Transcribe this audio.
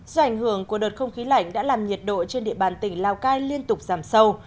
do ảnh hưởng của đợt không khí lạnh đã làm nhiệt độ trên địa bàn tỉnh lào cai liên tục giảm sâu